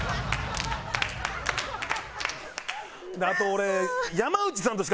あと俺。